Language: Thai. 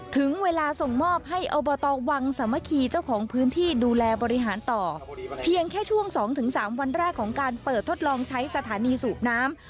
ถึงเวลาส่งมอบให้อบตวังสามัคคีเจ้าของพื้นที่ดูแลบริหารต่อเพียงแค่ช่วงสองถึงสามวันแรกของการเปิดทดลองใช้สถานีสูบน้ำ